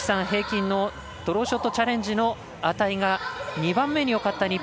平均のドローショットチャレンジの値が２番目によかった